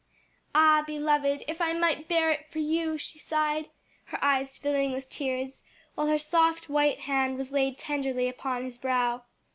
"Ah, beloved, if I might bear it for you!" she sighed, her eyes filling with tears, while her soft white hand was laid tenderly upon his brow.